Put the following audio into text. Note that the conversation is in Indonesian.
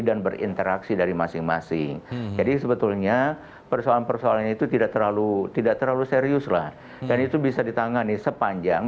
dan berinteraksi dari masing masing jadi sebetulnya persoalan persoalannya itu tidak terlalu serius lah dan itu bisa ditangani sepanjang